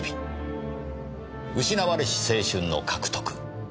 失われし青春の獲得。